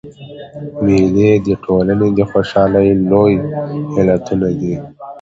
مېلې د ټولني د خوشحالۍ لوی علتونه دي.